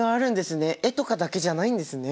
絵とかだけじゃないんですね。